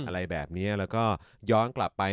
อะไรแบบนี้แล้วก็ย้อนกลับไป